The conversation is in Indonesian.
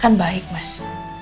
kan baik mas